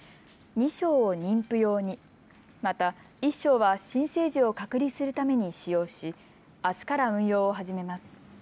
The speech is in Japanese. ２床を妊婦用に、また１床は新生児を隔離するために使用しあすから運用を始めます。